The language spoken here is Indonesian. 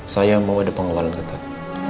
saya mau ada pengeluaran ketat